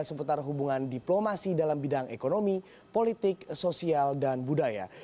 seputar hubungan diplomasi dalam bidang ekonomi politik sosial dan budaya